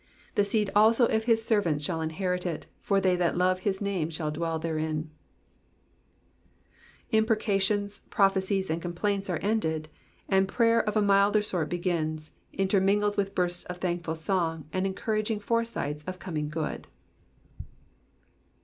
36 The seed also of his servants shall inherit it : and they that love his name shall dwell therein. Imprecations, prophecies, and complaints are ended, and prayer of a milder Digitized by VjOOQIC PSALM THE SIXTY NINTH. 26« sort begins, intermingled with bursts of thankful song, and encouraging fore sights of coming good.